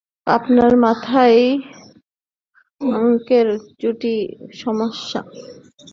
আপনার মাথায় অঙ্কের জটিল সমস্যা।